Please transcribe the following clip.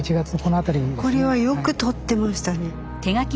これはよくとってましたね。